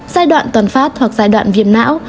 giai đoạn toàn phát hoặc giai đoạn viêm não